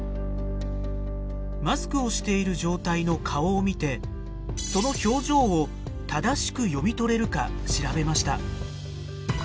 マスクをしている状態の顔を見てその表情を正しく読み取れるか調べました。